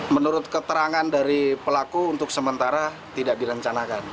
menurut keterangan dari pelaku untuk sementara tidak direncanakan